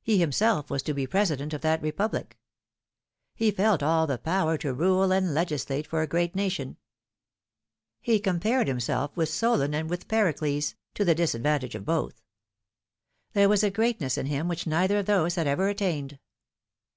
He himself was to be President of that Republic. He felt all the power to rule and legislate for a great nation. He compared himself with Solon and with Pericles, to the disadvan 278 The Fatal Three. taoje of both. There was a, greatness in him which neither of tLose had ever attained.